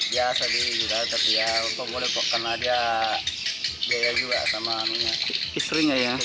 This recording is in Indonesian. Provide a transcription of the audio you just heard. iya sedikit juga tapi ya kemudian kok kena dia biaya juga sama istrinya ya